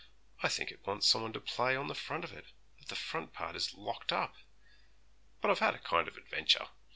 I think it wants some one to play on the front of it, but the front part is locked up. But I've had a kind of adventure.